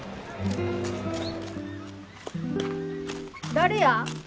誰や？